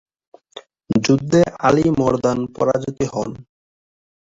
যুদ্ধে আলী মর্দান পরাজিত হন।